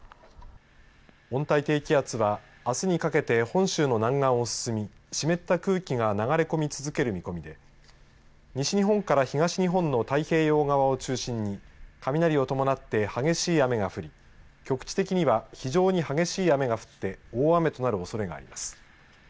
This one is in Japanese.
温帯低気圧はあすにかけて本州の南岸を進み湿った空気が流れ込み続ける見込みで西日本から東日本の太平洋側を中心に雷を伴って激しい雨が降り局地的には非常に激しい雨が降って大雨となるおそれがあります。